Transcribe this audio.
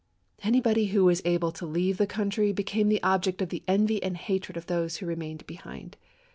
Anybody who was able to leave the country became the object of the envy and hatred of those who remained behind.